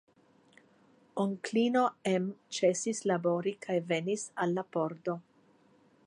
Onklino Em ĉesis labori kaj venis al la pordo.